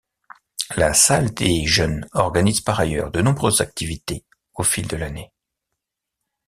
La salle des jeunes organise par ailleurs de nombreuses activités au fil de l'année.